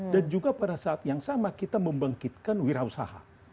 dan juga pada saat yang sama kita membangkitkan wira usaha